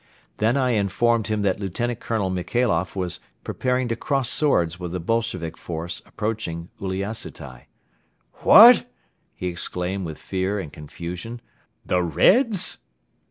Then I informed him that Lt. Colonel Michailoff was preparing to cross swords with the Bolshevik force approaching Uliassutai. "What?" he exclaimed with fear and confusion, "the Reds?"